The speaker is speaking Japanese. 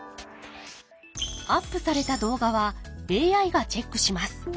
アップされた動画はＡＩがチェックします。